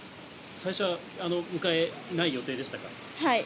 最初は迎え、ない予定でしたはい。